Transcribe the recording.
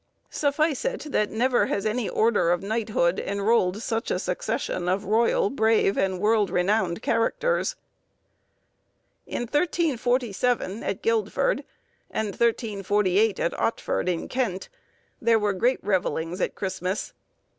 Suffice it, that never has any order of knighthood enrolled such a succession of royal, brave, and world renowned characters. In 1347 at Guildford, and 1348 at Ottford, in Kent, there were great revellings at Christmas.